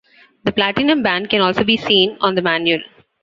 The platinum band can also be seen on the manual.